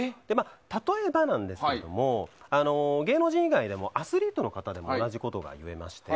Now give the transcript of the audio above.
例えばなんですが芸能人以外でもアスリートの方にも同じことが言えまして。